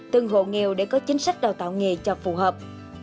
từng hộ nghèo để có chính sách đào tạo nghề cho phù hợp